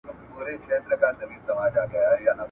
بیا به ګل د ارغوان وي ته به یې او زه به نه یم !.